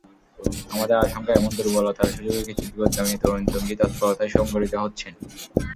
আমাদের আশঙ্কা, এমন দুর্বলতার সুযোগে কিছু বিপথগামী তরুণ জঙ্গি তৎপরতায় সংগঠিত হচ্ছেন।